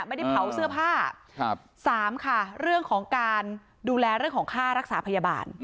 ไม่ได้เผาเสื้อผ้าสามค่ะเรื่องของการดูแลเรื่องของค่ารักษาพยาบาล